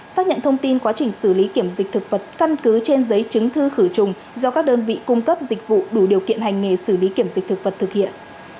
xác nhận thông tin quá trình xử lý kiểm dịch thực vật căn cứ trên giấy chứng thư khử trùng do các đơn vị cung cấp dịch vụ đủ điều kiện hành nghề xử lý kiểm dịch thực vật thực hiện